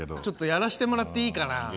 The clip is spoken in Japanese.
ちょっとやらしてもらっていいかな？